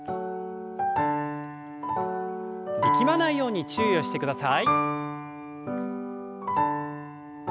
力まないように注意をしてください。